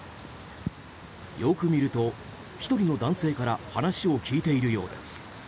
よく見ると、１人の男性から話を聞いているようです。